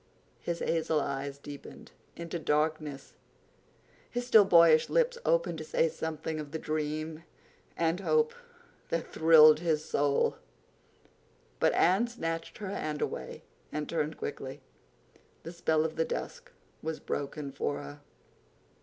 His hazel eyes deepened into darkness, his still boyish lips opened to say something of the dream and hope that thrilled his soul. But Anne snatched her hand away and turned quickly. The spell of the dusk was broken for her.